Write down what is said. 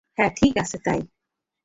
হ্যাঁ, ঠিক আছে ভাই।